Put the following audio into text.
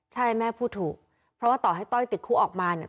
ใช่แม่พูดถูกเพราะว่าต่อให้ต้อยติดคุกออกมาเนี่ย